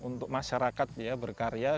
untuk masyarakat berkarya